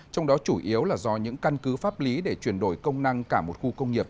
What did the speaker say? trong đó chủ yếu là do những căn cứ pháp lý để chuyển đổi công năng cả một khu công nghiệp